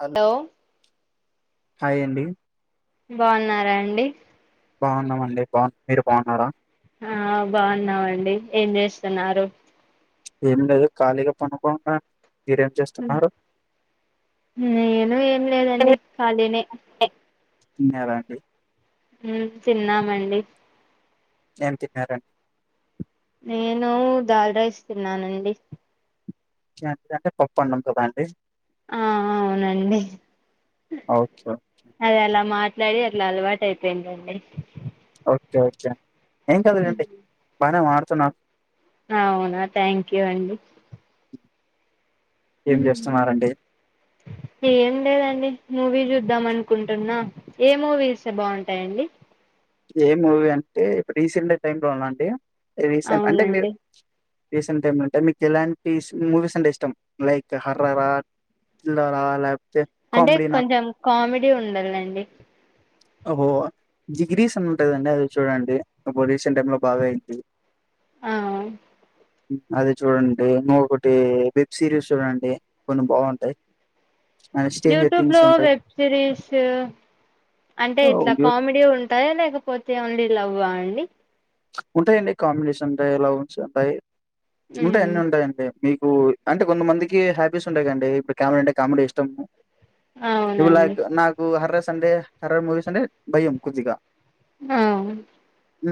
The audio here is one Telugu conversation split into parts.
హలో లో హాయ్ అండి బాగున్నారా అండి బాగున్నామండి బాగు మీరు బాగున్నారా ఆ బాగున్నామండి ఏం చేస్తున్నారు ఏమి లేదు ఖాళీగా పండుకొని ఉన్న నేను ఏం లేదండి ఖాళీనే తిన్నారా అండి. ఉ తిన్నామండి. ఏం తిన్నారండి. నేను డాల్ రైస్ తిన్నానండి. అంటే పప్పు అన్నం కదా అండి. ఆ అవునండి ఓకే అది అలా మా డి అట్లా అలవాటు అయిపోయిందండి. ఓకే ఏం కాదు లెండి బానే మాట్లాడుత తున్న అవునా థ్యాంక్ యూ అండి ఏం చేస్తున్నారండి ఏం లేదండి మూవీ చూద్దాం అనుకుంటున్నా ఏ మూవీ చూస్తే బాగుంటాదాండి. ఏం మూవీ అంటే రీసెంట్ టైమ్ లో నా అండి. రీసెంట్ అంటే మీరు అవునండి రీసెంట్ టైమ్ లో ఉంటే మీకు ఎలాంటి మూవీస్ అంటే ఇష్టం. లైక్ హార్రార హ థ్రిల్లర్ ఆ లేక్ అంటే కొంచెం కామెడీ ఉండాలండి. అబ్బో ధి గిరిసం అని ఉంటదండి. అది చూడండి అప్పుడూ రీసెంట్ టీమ్లో బాగా అయింది. ఆ అది చూడండి ఇంకోకటి వెబ్ సిరీస్ చూడండి. కొన్ని బాగుంటాయి. అండ్ స్ట్రేంజర్ యూట్యూబ్ థింగ్స్ లో ఉంటాయి వెబ్ సిరీస్ అంటే ఇట్లా ఓకే. కామెడీ ఉం టయలేకపోతే ఓన్లీ లవ్వా అండి. ఉంటాయండి. కాంబినేషన్ ఉంటాయి. లవ్స్ ఉంటాయి. ఉంటా ఉమ్ అన్ని ఉంటాయండి. మీక్ అంటే కొంతమందికి హ్యాపీస్ ఉంటయి గదండి. ఇప్పుడు కెమెరా అంటే కామెడీ ఇష్టము. ఇవల అవునండి నాకు హర్రస్ అంటే హార్రార్ మూవిస్ అంటే భయం కొద్దిగా హ్ ఉ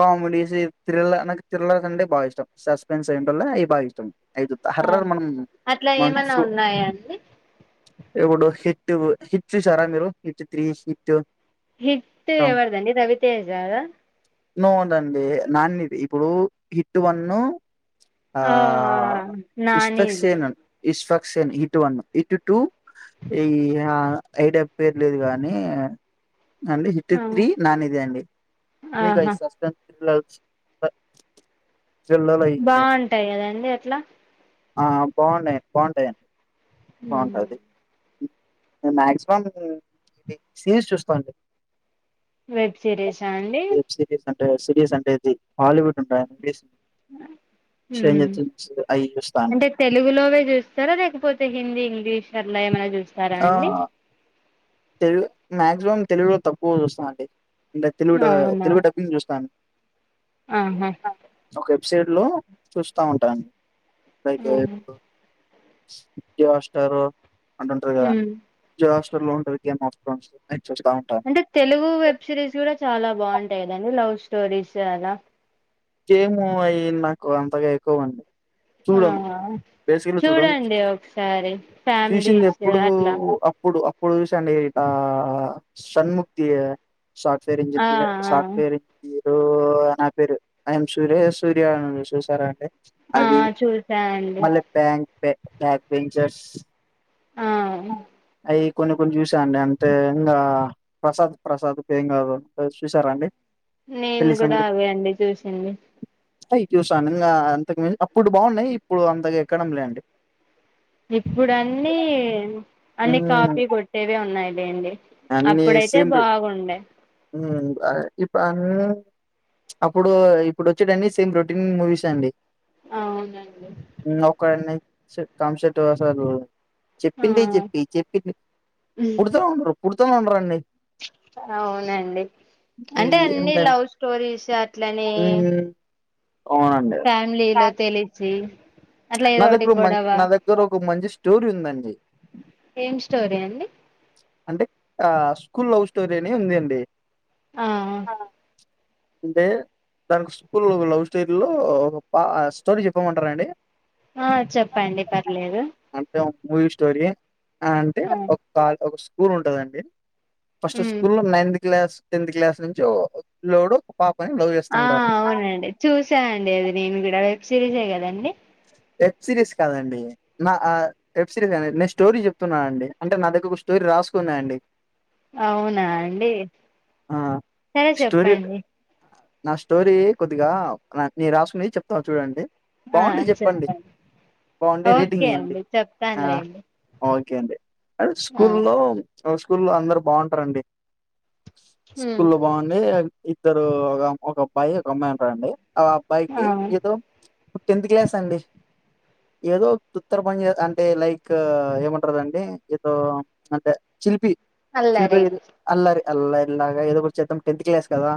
కామెడీస్ థ్రిల్లర్ నాకు థ్రిల్లర్స్ అంటే బాగా ఇష్టం. సస్పెన్స్ ఏంటోల్లే ఇవి బాగా ఇష్టం. అవి చూత్తా ఆ హర్రర్ మనం అట్లా మనం ఏమన్నా చూ ఉన్నాయాండి. ఇప్పుడు హిట్ హిట్ చూసారా మీరు హిట్ త్రీ హిట్ హిట్ ఎవర్దండి రవితేజ దా నో నండి నానీ ది ఇప్పుడు హిట్ వన్ను ఆ ఇష్ఫక్స్ నానిది సేనన్ ఇశ్వక్ సన్ ఇటు వన్ ఇటు టూ ఈ ఐడియా పేర్లేదు గానీ అండి హట్ ఆ త్రీ నాని దే అండి మీ కయి ఆహా సస్పెన్ ఈ ర్రాజ్ ప బాగుంటాయి కదాండి అట్లా ఆ బాగున్నాయండి బావుంటాయండి మ్మ్ మాక్సిమం ఇ సీన్స్ చూస్తాండి వెబ్ సిరీసా అండి ఆ సీరీస్ అంటే ది హాలీవుడ్ ఉండా ఇంగ్లీషు ఉమ్ [unintelligible] అయి చూస్తాను తే హిందీ ఇంగ్లిష్ అట్లా ఏమన్నా చూ స్తారా ఆ అండి తెలుగు మాక్సిమం తెలుగులో తక్కువ చూస్తామండి ఇంకా తెలుగు అవునా తెలుగు డబ్బింగ్ చూస్తాను ఆహా సైడ్ లో చూస్తా ఉంటాను పైగా ఉమ్ ఇప్పుడు [unintelligible] స్టారు [unintelligible] ఉమ్ జోస్ [unintelligible] అంటే తెలుగు వెబ్ సిరీస్ కూడా చాలా బావుంటాయి కదండి లవ్ స్టోరీస్ అలా ఏమో అయి నాకు అంతగా ఎక్కువండి ఆ చూడండి ఒకసారి ఫ్యామిలీస్ అట్లా ప్పుడు చూసండి అండి ఆ షణ్ముక్తి సాఫ్ట్వేర్ ఆ ఇంజినియర్ ఆ సాఫ్ట్వేర్ [unintelligible] ఓ నా పేరు ఆయం సూర్య సూర్య అనుంది చూసారా అంటడి ఆ అది చూసా అండి మళ్ళి బ్యాంక్ బా బ్యాగ్ వెెంచర్స్ ఆ ఏ కొన్ని కొన్ని చూస్ ఇ అండి అంతే ఇంకా ప్రసాద్ ప్రసాద్ ఏం కాదు చూసారాండి నేను కూడా అదే అండి చూసింది. అయి చూసాను ఇంకా అంతకు అప్పుడు బాగున్నాయి ఇప్పుడు అంతగా ఎక్కడం లే అండి. ఇప్పుడన్నీ న్నీ అన్ని ఉమ్, కాపీ కొట్టేవి ఉన్నాయిలేండి అన్ని అప్పుడైతే బాగుండే. ఇప్పు అన్ అప్పుడు ఇప్పుడు వచ్చేటియి అన్నీ సేమ్ రొటీన్ మూవీసే అండి. అవునండి నో కన్ని సే కామషట్టి వాసాలు ఆ చెప్పిందే చెప్పి చెప్పించ పుడుతావుంటరు పుడు తా ఉంటారండి అవునండి అంటే ఇది అన్ని ఏందండి లవ్ స్టోరీస్ అట్లనే ఉమ్, అవునండి ఆ ఫ్యామిలీలో తెలిచి నా దగ్గర మ నా దగ్గర ఒక మంచి షో స్టోరీ ఉందండి ఏం స్టోరీ అండి అంటే ఆ స్కూల్ లవ్ స్టోరీ అని ఉంది అండి. ఆ అంటే దానికి స్కూల్ లవ్ స్టోరీ లో ఒక పా స్టోరీ చెప్పమంటారాండి. ఆ చెప్పండి పర్లేదు అంటే ఒక మూవీ స్టోరి ఆ ఆ అంటే ఒక కాల్ ఒక స్కూ ఊరు ఉంటదండి ఫస్ట్ ఉమ్ స్కూల్ లో నైన్త్ క్లాస్ టెన్త్ క్లాస్ నుంచి లోడో ఆ అవునండి చూసానండి ఇది నేను కూడా సిరీజేయ కదండి. వెబ్ సిరీస్ కాదండి నా వెబ్ సిరీస్ నేను స్టోరీ చెప్తున్నానండి అంటే నా దగ్గర ఒక స్టోరీ రాసుకున్నాండి. ఔనా అండి ఆ! సరే స్టోరీ చెప్పండి నా స్టోరీ కొద్దిగా నాక్ నేను రాసుకునేది చెప్తా చూడండి ఆ బావుంటే చెప్పండి. బావుంటే రేటింగ్ ఓకే అండి చెప్తానులేండి. కె అండి హై ఆ స్కూల్లో ఆ స్కూల్లో అందరు బాగుంటారండి ఉమ్ స్కుల్లో బాగుండి ఇద్దరు ఒక ఒక అబ్బాయి ఒక అమ్మాయి ఉంటారండి ఆ ఆ అబ్బాయికి ఏదో ఇప్ టెన్త్ క్లాస్ ఏ ఎదో తుత్తర పని జె అంటే లైక్ ఏమంటరదండి ఏదో ప్చ్ అంటే చిలిపి చిల్పి అల్లరి అల్లరి ఎల్లాయ్ ర్లాగా ఏదోకటి చేద్దాం టెన్త్ క్లాస్ కదా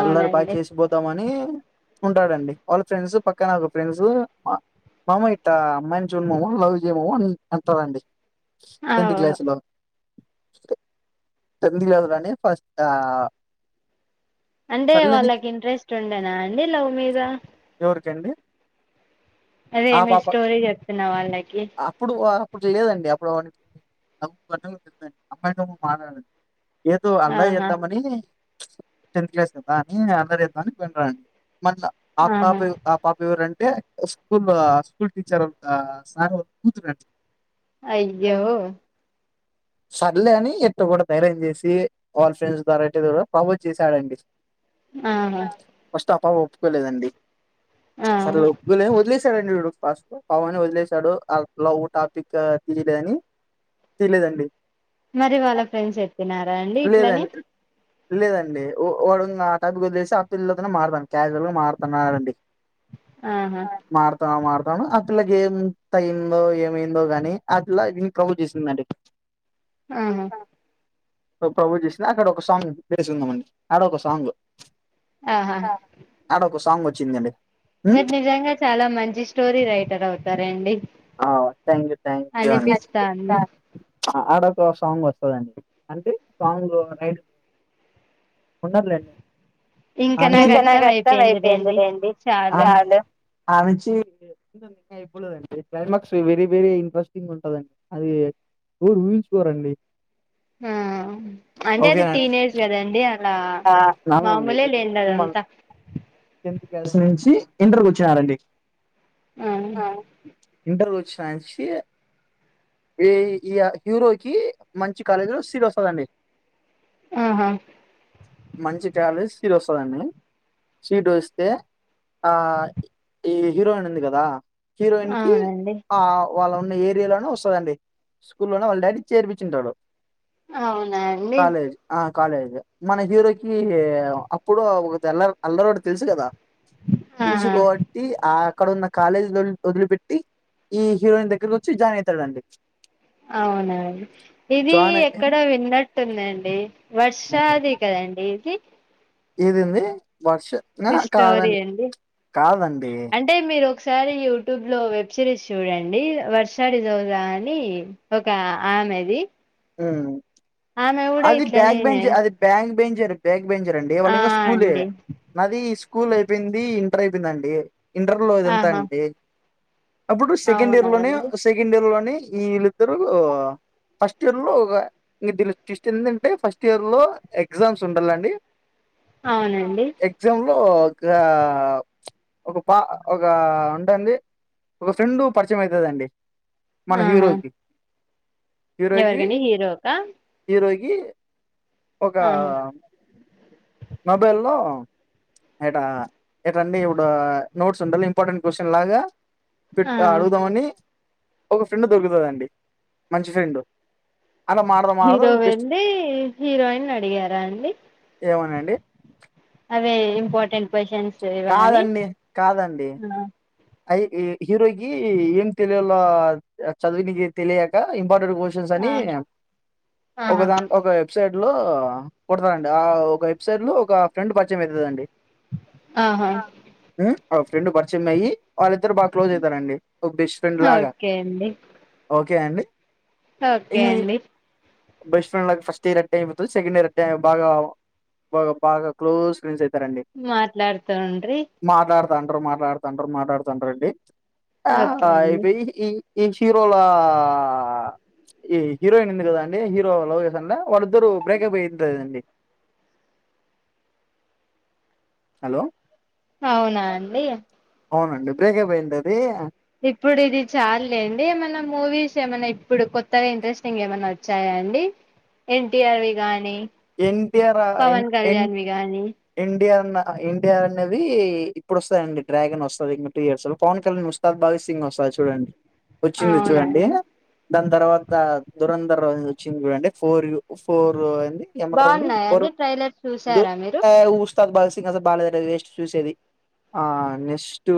అల్లరి బాగ చేసిపోతామని ఉంటాడండి వాళ్ళ ఫ్రెండ్సు పక్కనగొ ఫ్రెండ్సు అ మామ ఇట్ట అమ్మాయిన్చూడు మామ లవ్ జెయ్ మామ అన్ అంటారండి ఆ టెన్త్ క్లాస్ లో టెన్త్ క్లాస్లోనే ఫస్ట్ ఆ అంటే తల్లిని వాళ్ళకి ఇంట్రెస్ట్ ఉండెనా అండి లవ్ మీ ద కొరికండి అదే మీ స్టోరీ చెప్పిన వాళ్ళకి అప్పుడు అప్పుడు లేదండి అప్పుడుం [unintelligible] అమ్మాయితో మాట్లాడండి ఏదో అల్లాయ్ ఆహా చేద్దామని టెన్త్ క్లాస్ కదా అని అల్లరి చేద్దామని పోయిన్రా మర్ల ఆ ఆహా పాపేవ్ ఆ పాప ఎవరు అన్ టే స్కూల్లో స్కూల్ టీచర్ ఆ సారోల్ కూతురం అయ్యో సర్లే అని ఎట్టోగట్ట ఫైర్యం చేసి వాల్ ఫ్రెండ్స్ డైరెట్ ప్రబోజేసాడండి ఆహా ఫస్ట్ ఆపాప్ ప్పుకోలేదండి ఆ సరలే ఒప్పుకోలేద్ నొదిలేసాడండి వీడు ఫస్ట్లో పవను వదిలేశాడు. ఆ లవ్ టాపిక్ తీయలేదని తీలేదండి. మరి వాళ్ళ ఫ్రెండ్స్ ఎత్తినారా అండి ఇట్లని లేదండి లేదండి వో వోడు ఆ టాపిక్ వదిలేసి ఆ పిల్లతోనే మార్తాను క్యాజుల్ గా మారతానండి ఆహా మారతా మారత ను ఆ పిల్లకి ఏం తయందో ఏమైందో గాని ఆ పిల్ల వీనికి ప్రపోజ్ చేసిందండి ఆహా ప్రపోజ్ చేసింది అక్కడ ఒక సాంగ్ తెసుకుందాంమండి ఆడ ఒక సాంగ్ ఆహా అడ ఒక సాంగ్ వ వచ్చిందండి మీరు నిజంగా చాలా మంచి స్టోరీ రైట్ ర్ అవుతారండి అఓ థ్యాంక్ యూ థ్యాంక్ యూ అండి అనిపిస్తాంది అ ఆడ సాంగ్ వస్తుందండి అంటే సాంగ్ నైట్ ఉండట్లేండి ఇంకా నాకు అర్థం అయిపోయింది లేండి చాలు అమెచ్చి ఐపోలేదండి క్లైమాక్స్ వెరీ వెరీ ఇంట్రెస్టింగ్ ఉంటుదండి అది ఎవరు ఊహించుకోరండి ఆ అంటే అది టీనేజ్ కదండి అలా ఆ నుండి మామూలే ఇప్పుడు లేండి అదంతా టెన్త్ క్లాస్ నుంచి ఇంటర్వ్యూ వచ్చినారండి ఆ వచ్చ ఈ హీరోకి మంచి కాలేజీలో సీట్ వస్తదండి ఆహా మంచి కాలేజీలో సీట్ వస్తదండి సీట్ వస్తే ఆ ఈ హీరోయిన్ ఉంది కదా హీరోయిన్ కి అవునండి ఆ వాళ్ళ ఉన్న ఏరియాలోనే వస్తదండి స్కూల్లోనే వాళ్ళ డాడీ చేర్పించూంటాడు అవునా అండి కాలేజు మన హీరోకి అప్పుడు ఒక తెల్లరు అల్లరోడు తెలుసు కదా తెలుసు ఆహా కాబట్టి ఆ అక్కడ ఉన్న కాలేజ్ వదిలిపెట్టి ఈ హీరోయిన్ దగ్గరకి వచ్చి జాయిన్ అయితాడండి అవునండి ఇది జాయిన్ అయి ఎక్కడో విన్నట్టు ఉందండి బస్ చ అదే కదండి కీ ఏదేంది వర్ష స్టోరీ కాదండి అండి కాదండి అంటే మీరు ఒకసారి యూట్యూబ్ లో వెబ్ సిరీస్ చూడండి వర్షారిజోరా అని ఒక ఆమెది ఉం ఆమె కూడా అది ఇట్లనే బ్యాక్ బంజ్ అది బ్యాగ్ బెంజర్ డైగ్ యించరండి వాళ్ళు ఆ ఇంకా స్కూలే అండి నాది స్కూల్ అయిపోయింది ఇంటర్ అయిపోయిందండి ఇంటర్ లో ఇది అంట ఆహా అండి అప్పుడు సెకండ్ ఇయర్ అవునా లోనే అండి సెకండ్ ఇయర్ లోనే ఈళ్ళద్దరు ఫస్ట్ ఫస్ట్ ఇయర్ లో ఇం ట్విస్ట్ ఏంటంటే ఫస్ట్ ఇయర్ లో ఎగ్జామ్స్ ఉండాలండి అవునండి ఎగ్జామ్ లో ఒక ఒక పా ఒక ఉంటుంది ఒక ఫ్రెండ్ పరిచయం అయితదండి మన ఆహా హీరోకి ఎవరికండి హీరోకా కి ఒక ఆహా మొబైల్ లో ఏట ఏటండి ఇప్పుడు నోట్స్ ఉండాలి ఇంపార్టెంట్ క్వశ్చన్ లాగా పెట్ ఆ అడుగుదామని ఒక ఫ్రెండ్ దొరుకుతదండి మంచి ఫ్రెండు హీరో వెళ్ళి హీరో ఆయన్ని అడిగారా అండి ఏమోనండి అదే ఇంపార్టెంట్ క్వశ్చన్స్ ఇవ్వమని కాదండి కాదండి ఆ అ య హీరోకి ఏం తెలియలో చదవణికి ఏం తెలియక పార్టెంట్ క్వశ్చన్స్ అని ఆ ఒక ఆహా దా ఒక వెబ్సైట్ లో కొడతారండి ఆ ఒక వెబ్సైట్ లో ఒక ఫ్రెండ్ పరిచయం అయితదండీ ఆహా ఆ ఫ్రెండ్ పరిచయం అయి అ బాగా క్లోజ్ అవుతారండి ఒక బెస్ట్ ఫ్రెండ్ లాగా ఓకే అండి ఓకే ఓకే అండి ఓకే అండి బెస్ట్ ఫ్రెండ్ లకి ఫస్ట్ ఇయర్ అట్టే అయిపోతది సెకండ్ ఇయర్ అట్టే బాగా బాగా బాగా క్లోజ్ ఫ్రెండ్స్ అయి మాట్లాడతవంటిరి అందర్ మాట్లాడుత అందర్ మాట్లాత ద్రెడ్డి ఆ ఓకే అండి ఏ ఈ ఈ హీరోల ఈ హీరోయిన్ ఉంది కదా అండి హీరో లవ్ చేస్తాండ్ల వాళ్ళద్దరు లవ్ బ్రేకప్ అయిందిదండి హలో అవునా అండి అవునండి బ్రేకే పోయిందది ఇప్పుడు ఇది చాల్లేండి ఏమనా మూవీస్ ఏమైన్నా ఇప్పుడు కొత్తగా ఇంట్రెస్టింగ్ ఏమన్నా వచ్చాయాండి ఎన్టీఆర్వి గాని ఎన్టీఆర్ పవన్ కళ్యాణ్వి గాని ఎన్టీఆర్ ఇండియా అనేది ఇప్పుడు వస్తాండి డ్రాగన్ వస్తుంది ఇంకా టూ ఇయర్స్ లో పవన్ కళ్యాణ్ ఉస్తాద్ భాగత్ సింగ్ వస్తుంది చూడండి వచ్చింది అవునా చూడండి అండి దాని తర్వాత దురంధరం వచ్చింది కూడా అంటే ఫోర్ ఫోర్ అ బాగున్నాయాండి ట్రైలర్ చూసారా మీరు త్ బగ సింగ్ అస బాలగా్ర వేస్ట్ చూసేది ఆ నెక్స్ట్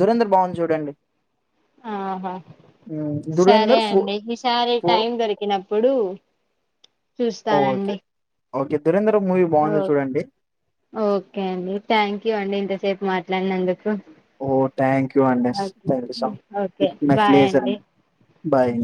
దురంధ్ర బాగుంది చూడండి ఆహా హ్మ్, సరే దురేందర్ ఫో అండి ఈసారి ఫో టైం దొరికినప్పుడు ఓకే చూస్తానండి ఓకే దూరంధర్ ఓ ఓకే అండి థ్యాంక్ యూ అండి ఇంతసేపు మాట్లాడినందుకు ఓ థ్యాంక్ యూ అండి ఓకే ్యాంక్ ూ సో ఓకే ఇ బాయ్ మ్లేజడి అండి బాయ్